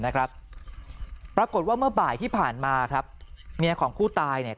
นะครับปรากฏว่าเมื่อบ่ายที่ผ่านมาครับเมียของผู้ตายเนี่ย